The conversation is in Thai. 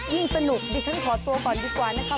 สนุกดิฉันขอตัวก่อนดีกว่านะคะ